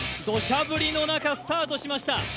どしゃ降りの中スタートしました。